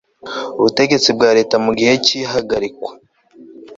butegetsi bwa leta mu gihe cy ihagarikwa